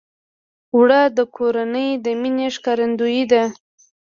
اوړه د کورنۍ د مینې ښکارندویي ده